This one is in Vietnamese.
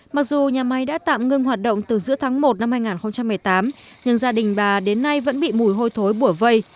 mặc dù nhà máy đã tạm ngưng hoạt động từ giữa tháng một năm hai nghìn một mươi tám nhưng gia đình bà đến nay vẫn bị mùi hôi thối bùa vây